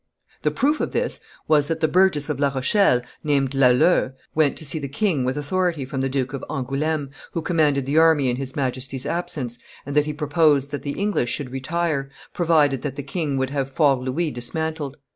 The proof of this was that a burgess of La Rochelle, named Laleu, went to see the king with authority from the Duke of Angouleme, who commanded the army in his Majesty's absence, and that "he proposed that the English should retire, provided that the king would have Fort Louis dismantled.